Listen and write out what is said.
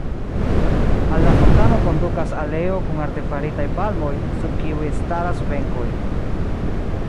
Al la fontano kondukas aleo kun artefaritaj palmoj, sub kiuj staras benkoj.